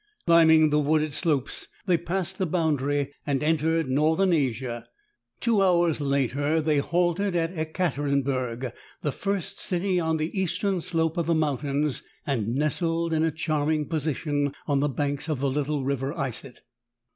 Climb ing the wooded slopes, they passed the boundary, and entered Northern Asia ; two hours later they halted in Ekaterinburg, the first city on the east ern slope of the mountains, and nestled in a charming position on the banks of the little River Isset.